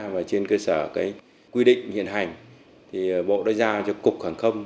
và trên cơ sở quy định hiện hành bộ đã giao cho cục hàng không